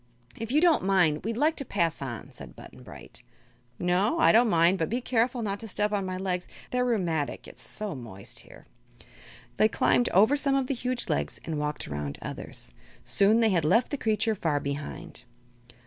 "If you don't mind, we'd like to pass on," said Button Bright. "No; I don't mind; but be careful not to step on my legs. They're rheumatic, it's so moist here." They climbed over some of the huge legs and walked around others. Soon they had left the creature far behind.